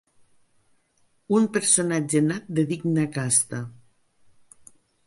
Un personatge nat de digna casta.